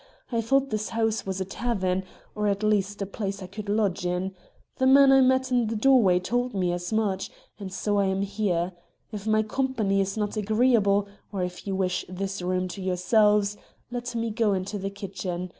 I thought this house was a tavern, or at least a place I could lodge in. The man I met in the doorway told me as much, and so I am here. If my company is not agreeable, or if you wish this room to yourselves, let me go into the kitchen.